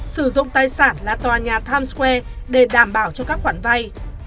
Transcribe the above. sử dụng tài sản là tòa nhà times square để đảm bảo cho các khoản vay